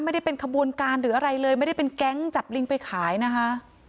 ไม่ได้เป็นขบวนการหรืออะไรเลยไม่ได้เป็นแก๊งจับลิงไปขายนะคะ